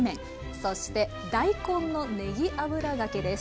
そして大根のねぎ油がけです。